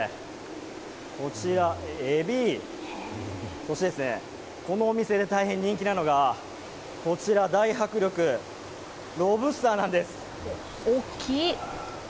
そしてエビ、このお店で大変人気なのがこちら、大迫力、ロブスターなんです。